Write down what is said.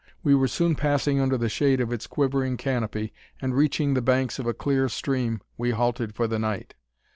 We were soon passing under the shade of its quivering canopy, and reaching the banks of a clear stream, we halted for the night.